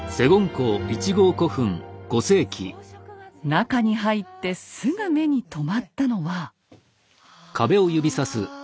中に入ってすぐ目に留まったのは。